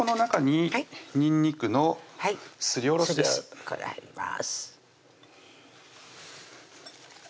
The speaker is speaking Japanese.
これ入ります